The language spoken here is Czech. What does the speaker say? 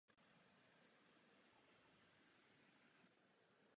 Díky tomu byl policií na útěku z místa činu zadržen.